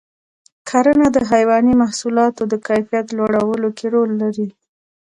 کرنه د حیواني محصولاتو د کیفیت لوړولو کې رول لري.